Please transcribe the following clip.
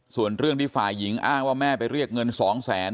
ส่วนเรื่องที่ฝ่ายหญิงอ้างว่าแม่ไปเรียกเงิน๒แสน